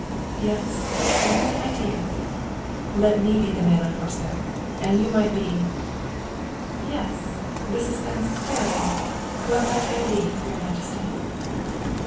"Yes you have an idea " "Let me be the man on horseback; and you might be " "Yes the suspense is terrible! what might I be, your Majesty?"